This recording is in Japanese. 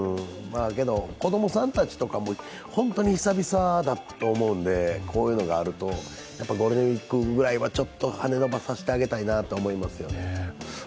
けど、子供さんたちとかも本当に久々だと思うんでこういうのがあると、ゴールデンウイークぐらいは羽根伸ばさせてあげたいなと思いますよね。